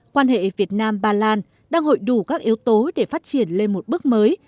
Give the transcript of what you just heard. quan hệ việt nam ba lan đang hội đủ các yếu tố để phát triển lên một bước mới